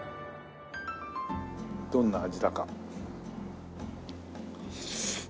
どんな味だか。